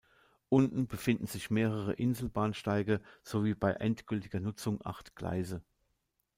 Unten befinden sich mehrere Inselbahnsteige sowie bei endgültiger Nutzung acht Gleise.